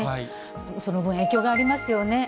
その分、影響がありますよね。